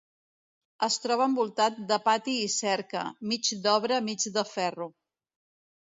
Es troba envoltat de pati i cerca, mig d'obra mig de ferro.